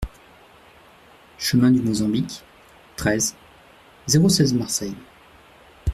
Chemin du Mozambique, treize, zéro seize Marseille